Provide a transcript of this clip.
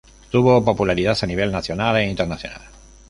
Tuvo popularidad a nivel nacional e internacional.